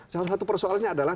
salah satu persoalannya adalah